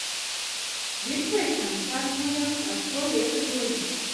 Virsleitnants sāk nojaust ap ko lieta grozās.